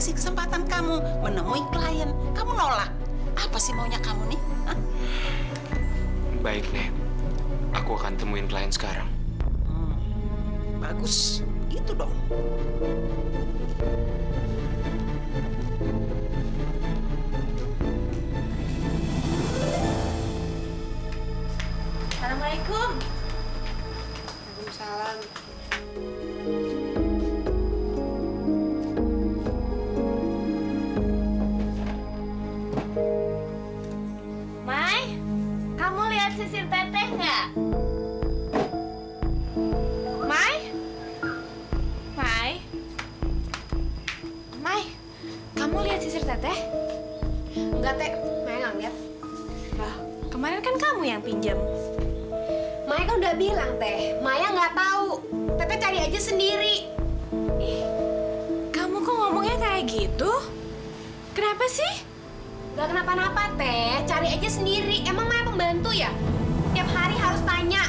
sampai jumpa di video selanjutnya